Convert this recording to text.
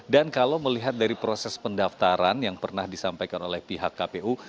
dan kalau melihat dari proses pendaftaran yang pernah disampaikan oleh pihak kpu